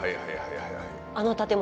あの建物。